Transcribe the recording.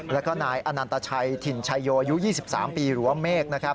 แล้วก็นายอนันตชัยถิ่นชายโยอายุ๒๓ปีหรือว่าเมฆนะครับ